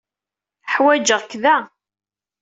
Ḥwajeɣ-k da.